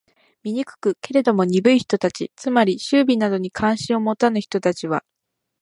醜く？けれども、鈍い人たち（つまり、美醜などに関心を持たぬ人たち）は、